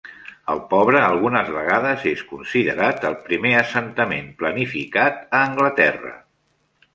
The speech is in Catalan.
El pobre algunes vegades és considerat el primer assentament planificat a Anglaterra.